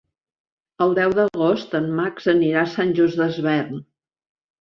El deu d'agost en Max anirà a Sant Just Desvern.